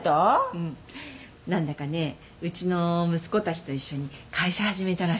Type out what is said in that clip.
うん。何だかねうちの息子たちと一緒に会社始めたらしいの。